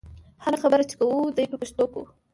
هره خبره چې کوو دې په پښتو کوو.